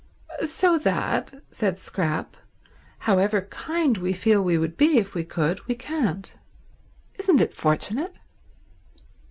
"So that," said Scrap, "However kind we feel we would be if we could, we can't. Isn't it fortunate?"